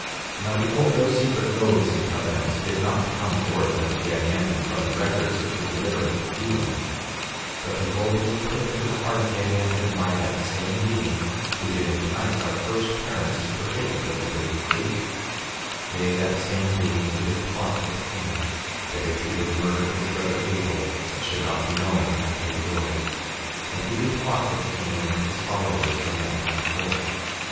6:26 Now behold, those secret oaths and covenants did not come forth unto Gadianton from the records which were delivered unto Helaman; but behold, they were put into the heart of Gadianton by that same being who did entice our first parents to partake of the forbidden fruit— 6:27 Yea, that same being who did plot with Cain, that if he would murder his brother Abel it should not be known unto the world. And he did plot with Cain and his followers from that time forth.